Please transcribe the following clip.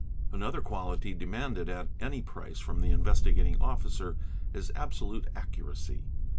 _. Another quality demanded at any price from the Investigating Officer _ is absolute accuracy.